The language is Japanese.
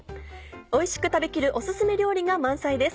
おいしく食べきるお薦め料理が満載です。